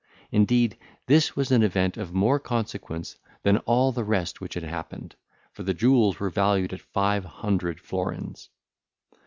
Indeed, this was an event of more consequence than all the rest which had happened, for the jewels were valued at five hundred florins.